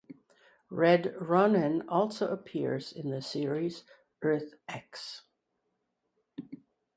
Red Ronin also appears in the series "Earth X".